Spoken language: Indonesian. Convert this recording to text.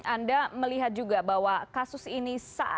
anda melihat juga bahwa kasus ini